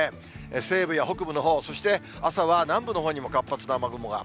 西部や北部のほう、そして朝は南部のほうにも活発な雨雲が。